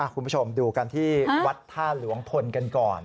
คุณผู้ชมดูกันที่วัดท่าหลวงพลกันก่อน